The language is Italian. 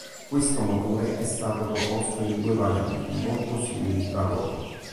Questo motore è stato proposto in due varianti molto simili tra loro.